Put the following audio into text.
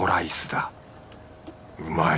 うまい。